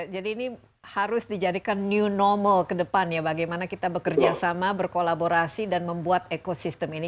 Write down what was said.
jadi ini harus dijadikan new normal kedepan ya bagaimana kita bekerja sama berkolaborasi dan membuat ekosistem ini